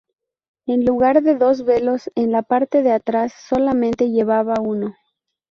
En lugar de dos velos en la parte de atrás, solamente llevaba uno.